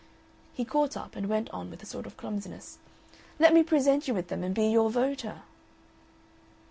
He caught up and went on with a sort of clumsiness: "Let me present you with them and be your voter."